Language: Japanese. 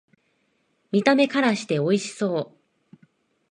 見た目からしておいしそう